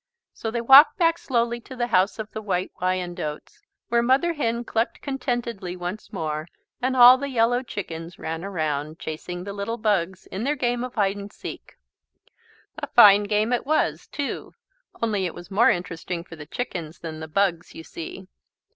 So they walked back slowly to the House of the White Wyandottes where Mother Hen clucked contentedly once more and all the yellow chickens ran around, chasing the little bugs in their game of hide and seek. A fine game it was too, only it was more interesting for the chickens than the bugs, you see.